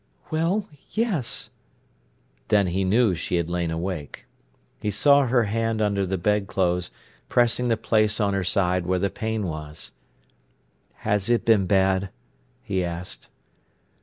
"Well, yes!" Then he knew she had lain awake. He saw her hand under the bedclothes, pressing the place on her side where the pain was. "Has it been bad?" he asked.